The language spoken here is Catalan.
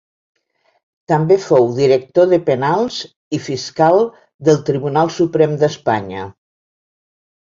També fou Director de Penals i fiscal del Tribunal Suprem d'Espanya.